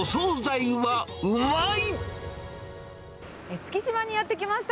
月島にやって来ました。